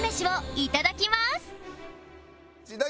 いただきます。